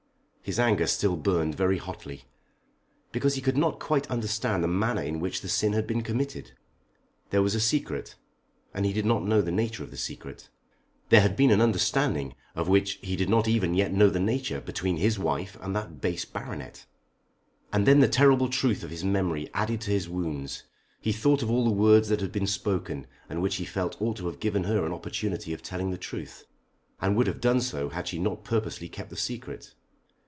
His anger still burned very hotly, because he could not quite understand the manner in which the sin had been committed. There was a secret, and he did not know the nature of the secret. There had been an understanding, of which he did not even yet know the nature, between his wife and that base baronet. And then the terrible truth of his memory added to his wounds. He thought of all the words that had been spoken, and which he felt ought to have given her an opportunity of telling the truth, and would have done so had she not purposely kept the secret.